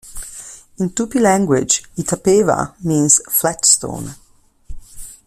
In Tupi language, Itapeva means "flat stone".